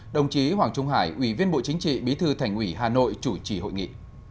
đồng chí hoàng trung hải ủy viên bộ chính trị bí thư thành ủy hà nội chủ trì hội nghị